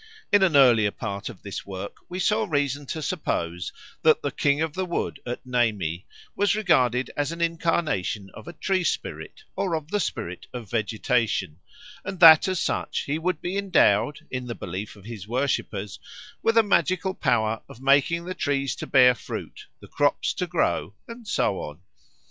In an earlier part of this work we saw reason to suppose that the King of the Wood at Nemi was regarded as an incarnation of a tree spirit or of the spirit of vegetation, and that as such he would be endowed, in the belief of his worshippers, with a magical power of making the trees to bear fruit, the crops to grow, and so on.